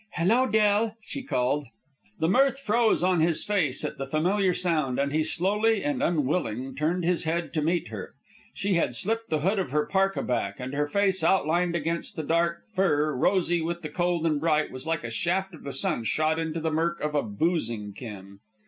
"Hello, Del!" she called. The mirth froze on his face at the familiar sound and he slowly and unwilling turned his head to meet her. She had slipped the hood of her parka back, and her face, outlined against the dark fur, rosy with the cold and bright, was like a shaft of the sun shot into the murk of a boozing ken.